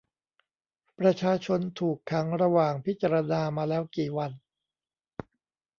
ประชาชนถูกขังระหว่างพิจารณามาแล้วกี่วัน ?